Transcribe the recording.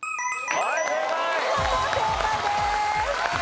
お見事正解です。